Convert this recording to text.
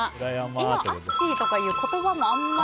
今アッシーという言葉もあんまり。